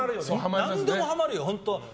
何でもハマるよ。